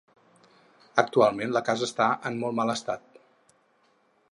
Actualment la casa està en molt mal estat.